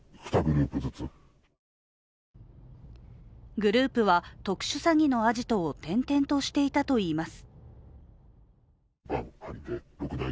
グループは特殊詐欺のアジトを転々としていたといいます。